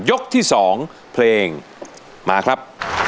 ยกที่๒เพลงมาครับ